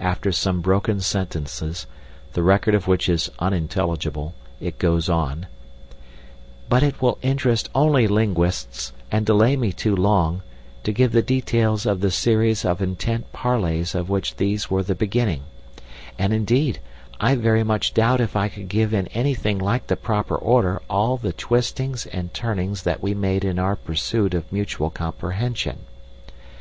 After some broken sentences, the record of which is unintelligible, it goes on:— "But it will interest only linguists, and delay me too long, to give the details of the series of intent parleys of which these were the beginning, and, indeed, I very much doubt if I could give in anything like the proper order all the twistings and turnings that we made in our pursuit of mutual comprehension.